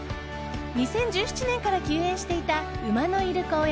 ２０１７年から休苑していた馬のいる公園